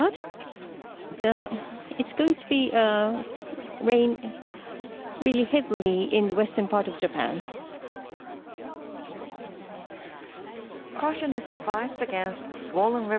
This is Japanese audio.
あすの朝にかけて、東海にも発達した雨雲がかかりそうです。